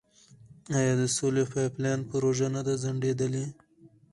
آیا د سولې پایپ لاین پروژه نه ده ځنډیدلې؟